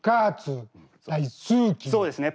そうですね。